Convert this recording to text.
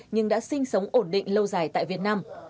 nhưng đã sinh sống ổn định lâu dài tại việt nam